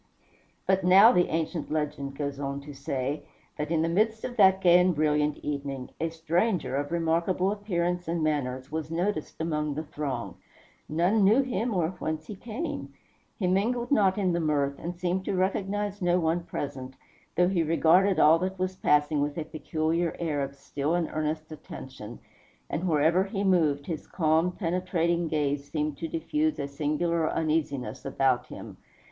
But now, the ancient legend goes on to say, that in the midst of that gay and brilliant evening, a stranger of remarkable appearance and manners was noticed among the throng. None knew him, or whence he came. He mingled not in the mirth, and seemed to recognize no one present, though he regarded all that was passing with a peculiar air of still and earnest attention; and wherever he moved, his calm, penetrating gaze seemed to diffuse a singular uneasiness about him.